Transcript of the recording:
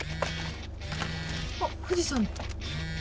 あっ藤さんだ。